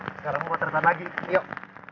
sekarang motretan lagi yuk